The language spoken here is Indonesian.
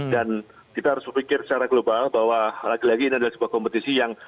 dan kita harus berpikir secara global bahwa lagi lagi ini adalah sebuah kompetisi yang